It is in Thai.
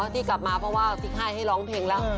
ที่กลับมาเพราะว่าที่ค่ายให้ร้องเพลงแล้ว